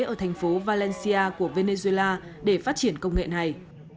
ở thành phố valencia của venezuela để phát triển công nghệ này